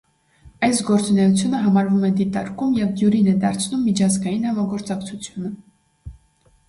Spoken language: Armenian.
Այս գործունեությունը համարվում է դիտարկում և դյուրին է դարձնում միջազգային համագործակցությունը։